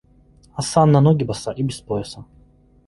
Оса на ноги боса и без пояса.